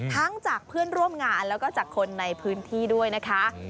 จากเพื่อนร่วมงานแล้วก็จากคนในพื้นที่ด้วยนะคะ